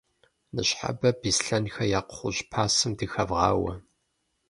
Ныщхьэбэ Беслъэнхэ я кхъужь пасэм дыхэвгъауэ.